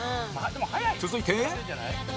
続いて